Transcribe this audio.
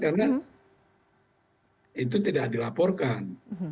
karena itu tidak dilaporkan